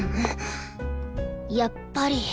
やっぱり。